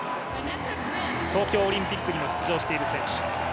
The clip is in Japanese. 東京オリンピックにも出場している選手。